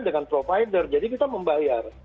dengan provider jadi kita membayar